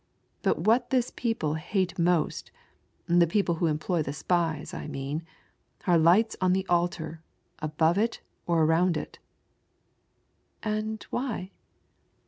But what this people hate most, the people who employ the spies, I mean, are lights on the altar, above it, or around it." "And why?"